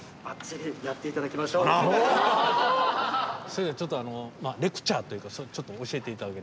それではちょっとレクチャーというかちょっと教えて頂ければと。